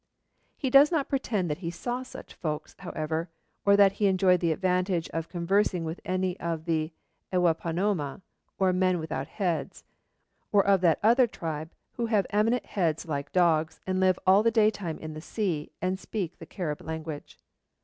He does not pretend that he saw such folks, however, or that he enjoyed the advantage of conversing with any of the Ewaipanoma, or men without heads, or of that other tribe, 'who have eminent heads like dogs, and live all the day time in the sea, and speak the Carib language.'